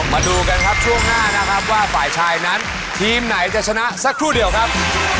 มาดูกันครับช่วงหน้านะครับว่าฝ่ายชายนั้นทีมไหนจะชนะสักครู่เดียวครับ